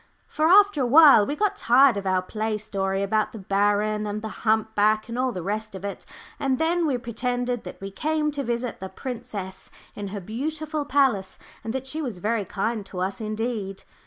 For after a while we got tired of our play story about the baron and the humpback and all the rest of it, and then we pretended that we came to visit the princess in her beautiful palace, and that she was very kind to us indeed.